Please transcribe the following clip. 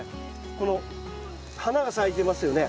この花が咲いてますよね。